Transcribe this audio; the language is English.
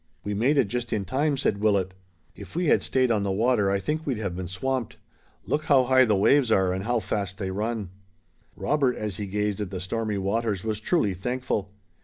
"We made it just in time," said Willet. "If we had stayed on the water I think we'd have been swamped. Look how high the waves are and how fast they run!" Robert as he gazed at the stormy waters was truly thankful.